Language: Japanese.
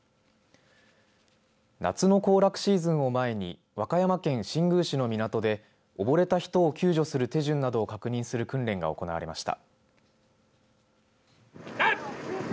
夏の行楽シーズンを前に和歌山県新宮市の港で溺れた人を救助する手順などを確認する訓練が行われました。